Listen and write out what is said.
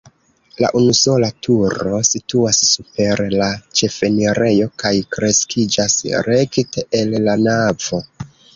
La unusola turo situas super la ĉefenirejo kaj kreskiĝas rekte el la navo.